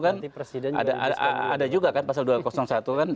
ada juga kan pasal dua ratus satu kan